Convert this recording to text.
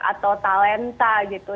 atau talenta gitu